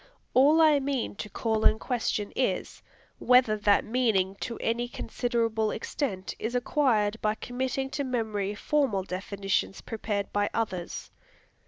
All I mean to call in question is, whether that meaning to any considerable extent is acquired by committing to memory formal definitions prepared by others.